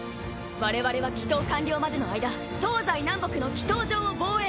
我々は祈祷完了までの間東西南北の祈祷場を防衛。